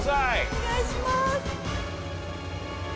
お願いします。